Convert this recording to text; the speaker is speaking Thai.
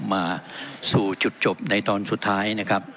มาสู่จุดจบในตอนสุดท้ายนะครับ